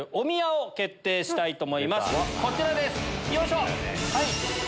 こちらです。